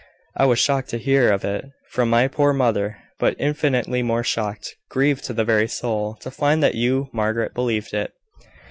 "I was shocked to hear of it from my poor mother; but infinitely more shocked grieved to the very soul, to find that you, Margaret, believed it."